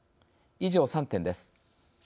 以上３点です。